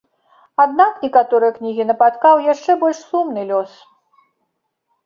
Аднак некаторыя кнігі напаткаў яшчэ больш сумны лёс.